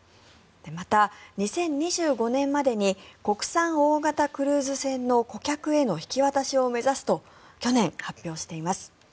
また、２０２５年までに国産大型クルーズ船の顧客への引き渡しを目指すと去年、発表しています。